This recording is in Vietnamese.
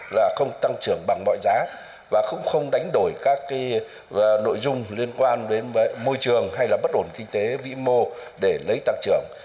là không tăng trưởng bằng mọi giá và cũng không đánh đổi các nội dung liên quan đến môi trường hay là bất ổn kinh tế vĩ mô để lấy tăng trưởng